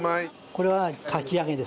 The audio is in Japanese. これはかき揚げです。